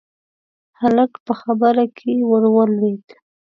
هلک په خبره کې ورولوېد: